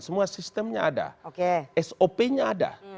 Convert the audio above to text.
semua sistemnya ada sopnya ada